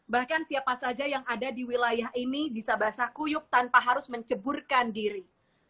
bahkan siapa saja yang ada di wilayah ini bisa basah kuyuk tanpa harus menceburkan diri